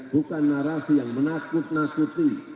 bukan narasi yang menakut nakuti